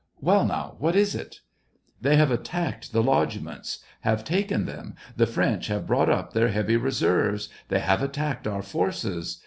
Well, now, what is it }" "They have attacked the lodgements ... have taken them ... the French have brought up their heavy reserves ... they have attacked our forces